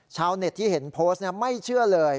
ชาวเน็ตที่เห็นโพสต์ไม่เชื่อเลย